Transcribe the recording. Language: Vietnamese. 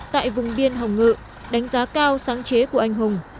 tại vùng biên hồng ngự đánh giá cao sáng chế của anh hùng